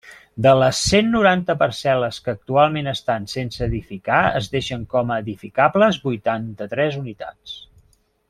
De les cent noranta parcel·les que actualment estan sense edificar es deixen com a edificables vuitanta-tres unitats.